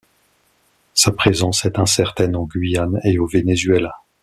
Sa présence est incertaine en Guyane et au Venezuela.